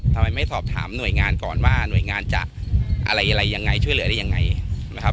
ทำไมไม่สอบถามหน่วยงานก่อนว่าหน่วยงานจะอะไรยังไงช่วยเหลือได้ยังไงนะครับ